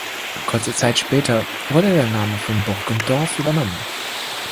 Kurze Zeit später wurde der Name von Burg und Dorf übernommen.